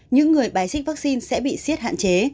những người bài xích vaccine sẽ bị siết hạn chế